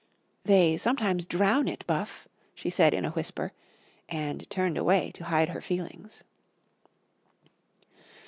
"They sometimes drown it, Buff," she said in a whisper, and turned away to hide her feelings.